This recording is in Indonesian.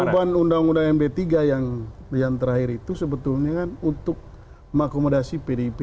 perubahan undang undang md tiga yang terakhir itu sebetulnya kan untuk mengakomodasi pdip